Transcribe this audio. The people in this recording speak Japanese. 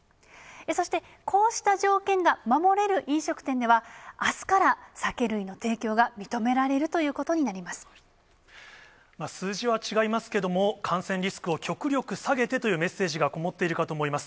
そして、こうした条件が守れる飲食店では、あすから酒類の提供が認められる数字は違いますけれども、感染リスクを極力下げてというメッセージが込もっているかと思います。